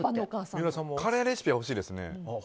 カレーレシピは欲しいですね。